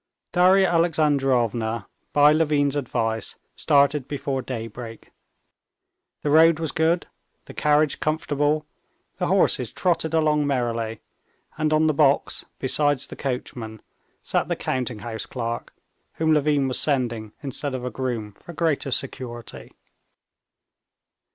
Darya Alexandrovna, by Levin's advice, started before daybreak. The road was good, the carriage comfortable, the horses trotted along merrily, and on the box, besides the coachman, sat the counting house clerk, whom Levin was sending instead of a groom for greater security.